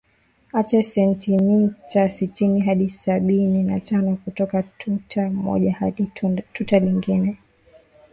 acha sentimita sitini hadi sabini na tano kutoka tuta moja hadi tuta lingine